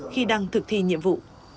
khi đang thực thi nhiệm vụ